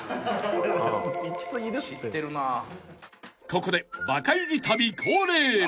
［ここでバカイジ旅恒例］